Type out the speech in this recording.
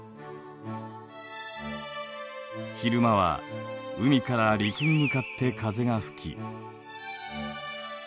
昼間は海から陸に向かって風が吹き。